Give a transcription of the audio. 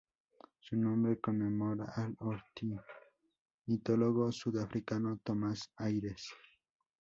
Su nombre conmemora al ornitólogo sudafricano Thomas Ayres.